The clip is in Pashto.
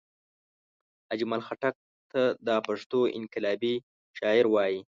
اجمل خټګ ته دا پښتو انقلابي شاعر وايي